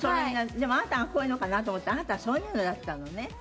でもあなたがこういうのかなと思ったらあなたはそういうのだったのね。